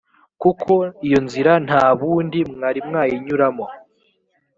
kuko iyo nzira nta bundi mwari mwayinyura.